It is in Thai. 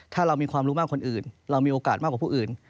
ถ้าเรามีความรู้มากคนอื่นเรามีโอกาสมากกว่าผู้อื่น